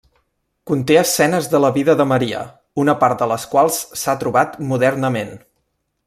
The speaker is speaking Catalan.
Conté escenes de la vida de Maria, una part de les quals s'ha trobat modernament.